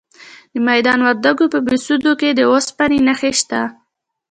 د میدان وردګو په بهسودو کې د اوسپنې نښې شته.